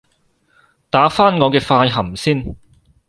打返我嘅快含先